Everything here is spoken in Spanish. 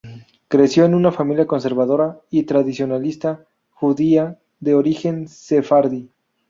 Creció en una familia conservadora y tradicionalista judía de origen sefardí.